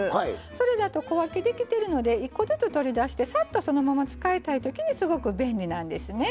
それだと小分けできてるので１個ずつ取り出してサッとそのまま使いたいときにすごく便利なんですね。